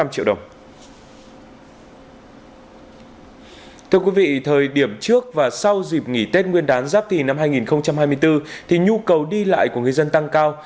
trong thời điểm trước và sau dịp nghỉ tết nguyên đán giáp thì năm hai nghìn hai mươi bốn thì nhu cầu đi lại của người dân tăng cao